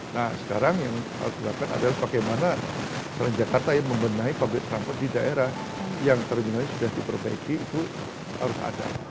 nah sekarang yang harus dilakukan adalah bagaimana selain jakarta ya membenahi pabrik sampel di daerah yang terminalnya sudah diperbaiki itu harus ada